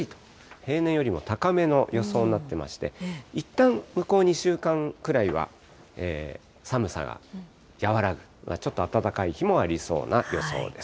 平年よりも高めの予想になってまして、いったん、向こう２週間くらいは、寒さが和らぐ、ちょっと暖かい日もありそうな予想です。